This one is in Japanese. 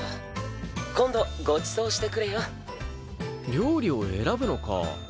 料理を選ぶのか。